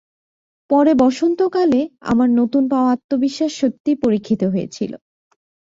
পরে বসন্ত কালে, আমার নতুন পাওয়া আত্মবিশ্বাস সত্যিই পরীক্ষিত হয়েছিল।